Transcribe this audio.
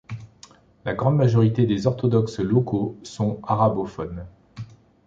La grande majorité des orthodoxes locaux sont arabophones.